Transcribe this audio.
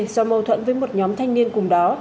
do mâu thuẫn với một nhóm thanh niên cùng đó